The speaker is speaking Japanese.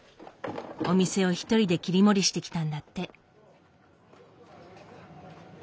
お店を一人で切り盛りしてきたんだって。